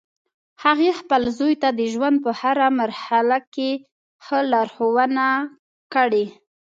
هغې خپل زوی ته د ژوند په هر مرحله کې ښه لارښوونه کړی